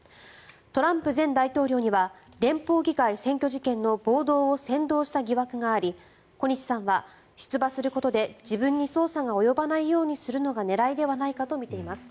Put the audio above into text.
トランプ前大統領には連邦議会占拠事件の暴動を扇動した疑惑があり小西さんは、出馬することで自分に捜査が及ばないようにするのが狙いではないかとみています。